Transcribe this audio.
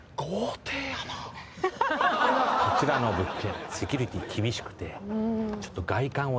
こちらの物件。